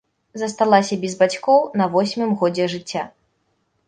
Засталася без бацькоў на восьмым годзе жыцця.